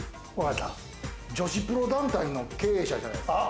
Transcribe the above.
女子プロ団体の経営者じゃないですか？